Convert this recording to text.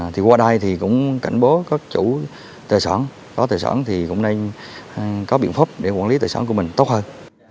thì qua đây thì cũng cảnh báo các chủ tài sản có tài sản thì cũng nên có biện pháp để quản lý tài sản của mình tốt hơn